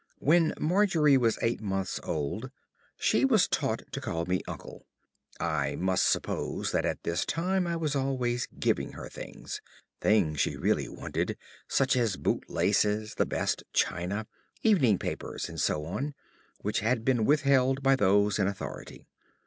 When Margery was eight months old, she was taught to call me "Uncle." I must suppose that at this time I was always giving her things things she really wanted, such as boot laces, the best china, evening papers and so on which had been withheld by those in authority.